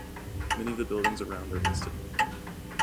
Many of the buildings around are listed.